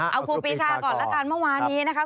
เอาครูปีชาก่อนละกันเมื่อวานนี้นะคะ